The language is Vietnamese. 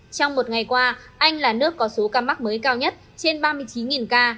trong một ngày qua anh là nước có số ca mắc mới cao nhất trên ba mươi chín ca